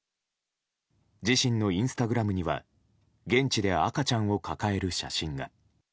自身のインスタグラムには現地で赤ちゃんを抱える写真が。